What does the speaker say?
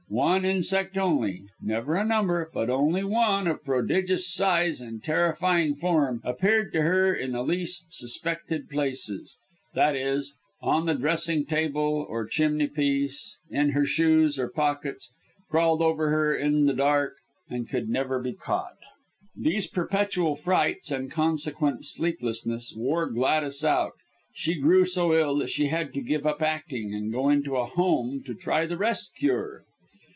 One insect only never a number, but only one, of prodigious size and terrifying form appeared to her in the least suspected places, i.e., on the dressing table or chimney piece, in her shoes, or pockets; crawled over her in the dark; and could never be caught. These perpetual frights, and consequent sleeplessness, wore Gladys out. She grew so ill that she had to give up acting, and go into a home to try the rest cure.